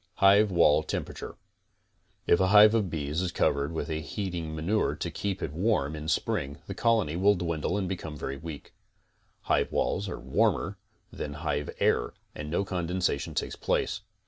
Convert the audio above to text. HIVE WALL TEMPERATURE If a hive of bees be covered with heating manure to keep it warm in spring the colony will dwindle and become wery weak. Hive walls are warmer than hive air and no condensation takes place.